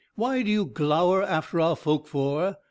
what do ye glower after our folk for?